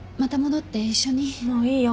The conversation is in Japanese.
もういいよ。